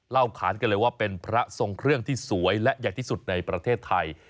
ขานกันเลยว่าเป็นพระทรงเครื่องที่สวยและใหญ่ที่สุดในประเทศไทย